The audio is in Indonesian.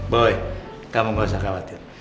boy kamu nggak usah khawatir